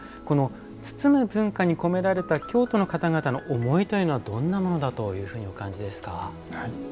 この包む文化に込められた京都の方々の思いというのはどんなものだとお感じですか？